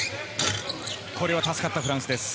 これは助かったフランスです。